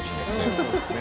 そうですね。